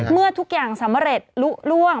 เมื่อทุกอย่างสำเร็จลุล่วง